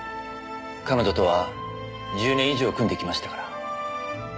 彼女とは１０年以上組んできましたから。